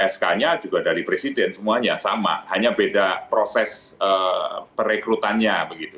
sk nya juga dari presiden semuanya sama hanya beda proses perekrutannya begitu